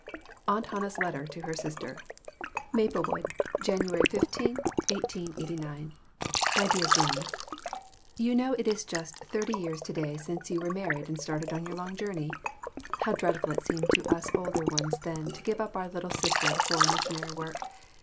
AUNT HANNAH S LETTER TO HER SISTER. MAPLEWOOD, Jan. 15, 1889. MY DEAR JANE: Do you know it is just thirty years to day since you were married and started on your long jour ney ? How dreadful it seemed to us older ones then to give up our little sister to foreign mission ary work.